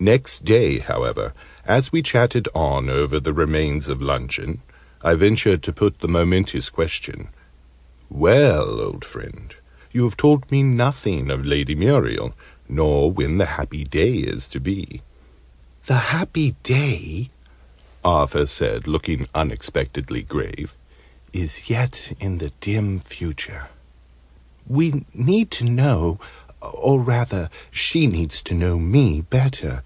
Next day, however, as we chatted on over the remains of luncheon, I ventured to put the momentous question. "Well, old friend, you have told me nothing of Lady Muriel nor when the happy day is to be?" "The happy day," Arthur said, looking unexpectedly grave, "is yet in the dim future. We need to know or, rather, she needs to know me better.